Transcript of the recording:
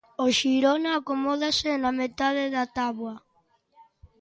O Xirona acomódase na metade da táboa.